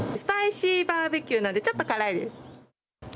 スパイシーバーベキューなのでちょっとからいです。